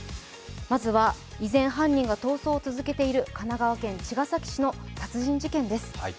まずは依然犯人が逃走を続けている神奈川県茅ヶ崎市の殺人事件です。